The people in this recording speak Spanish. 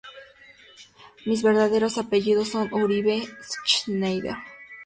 Mis verdaderos apellidos son Uribe Schneider.